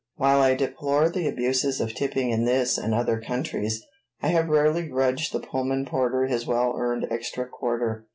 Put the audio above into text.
While I deplore the abuses of tipping in this and other countries, I have rarely grudged the Pullman porter his well earned extra quarter.